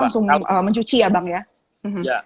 langsung mencuci ya bang ya